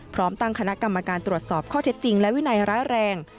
พร้อมตั้งคณะกรรมการตรวจสอบข้อเท็จจริงและวินัยร้ายแรง